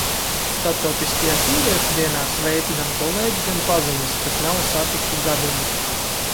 Starptautiskajā sieviešu dienā sveic gan kolēģi, gan paziņas, kas nav satikti gadiem.